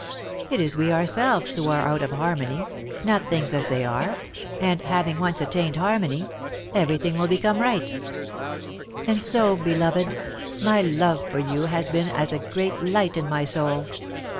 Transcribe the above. It is we ourselves who are out of harmony, not things as they are, and, having once attained harmony, everything will become right. [Sidenote: Joy through Service] "And so, beloved, my love for you has been as a great light in my soul.